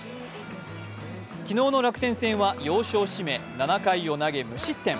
昨日の楽天戦は要所を締め、７回を投げ、無失点。